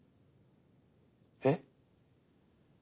えっ？